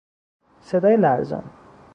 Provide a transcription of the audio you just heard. صدای لرزان